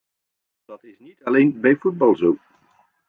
Maar dat is niet alleen bij voetbal zo.